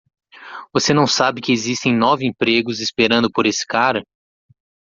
Você não sabe que existem nove empregos esperando por esse cara?